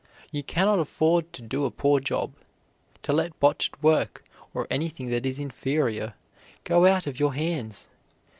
You cannot afford to do a poor job, to let botched work or anything that is inferior go out of your hands.